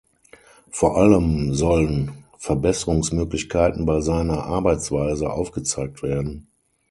Vor allem sollen Verbesserungsmöglichkeiten bei seiner Arbeitsweise aufgezeigt werden.